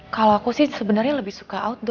kalau aku sih sebenarnya lebih suka outdoor